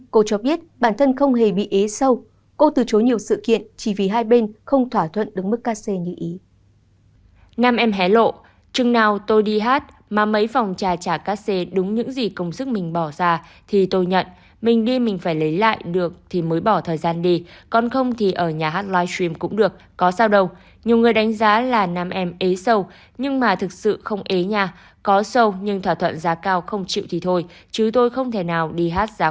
cô cho biết bản thân không hề bị ế sâu cô từ chối nhiều sự kiện chỉ vì hai bên không thỏa thuận đứng mức ca xê như ý